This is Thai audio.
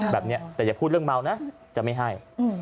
แต่อย่าพูดเรื่องเมานะจะไม่ให้